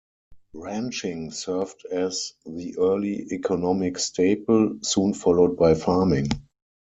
Ranching served as the early economic staple, soon followed by farming.